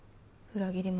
裏切り者！